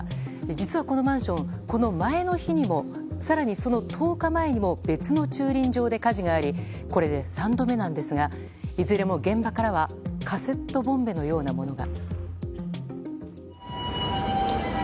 実はこのマンション、前の日にも更に、その１０日前にも別の駐輪場で火事がありこれで３度目なんですがいずれも現場からはカセットボンベのようなものが。